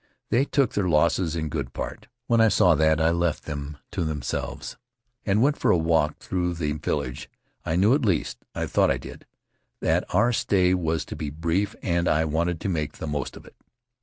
They took their losses in good part. When I saw that I left them to themselves and went for a walk through the village. I knew — at least I thought I did — that our stay was to be brief and I wanted to make the most of it.